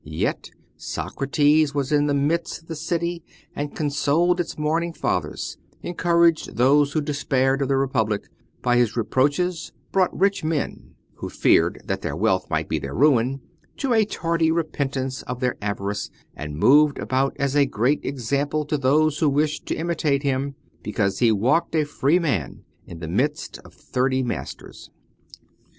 Yet Socrates was in the midst of the city, and consoled its mourning Fathers, encouraged those who despaired of the republic, by his reproaches brought rich men, who feared that their wealth would be their ruin, to a tardy repentance of their avarice, and moved about as a great example to those who wished to imitate him, because he walked a free man in the midst of thirty masters.